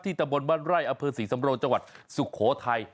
ตำบลบ้านไร่อเภอศรีสำโรงจังหวัดสุโขทัย